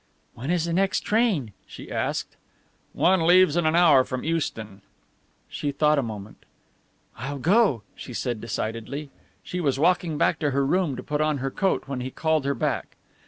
"When is the next train?" she asked. "One leaves in an hour from Euston." She thought a moment. "I'll go," she said decidedly. She was walking back to her room to put on her coat when he called her back.